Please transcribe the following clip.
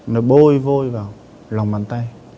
nó bôi vôi vào lòng bàn tay